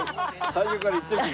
最初から言っておいて。